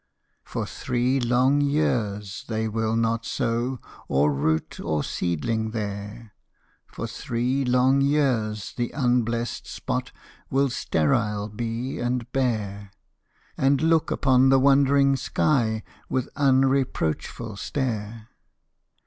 For three long years they will not sow Or root or seedling there: For three long years the unblessed spot Will sterile be and bare, And look upon the wondering sky With unreproachful stare.